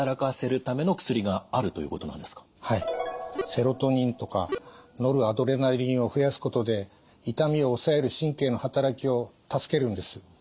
セロトニンとかノルアドレナリンを増やすことで痛みを抑える神経の働きを助けるんです。